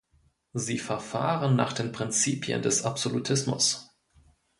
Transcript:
Sie verfahren nach den Prinzipien des Absolutismus.